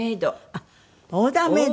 あっオーダーメイド？